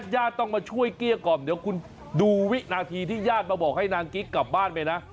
ญาติต้องมาช่วยเกลี้ยกล่อมเดี๋ยวคุณดูวินาทีที่ญาติมาบอกให้นางกิ๊กกลับบ้านไปนะ